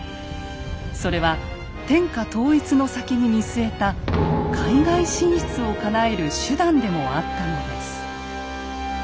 それは天下統一の先に見据えた海外進出をかなえる手段でもあったのです。